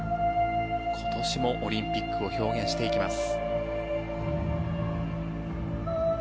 今年も、オリンピックを表現していきます。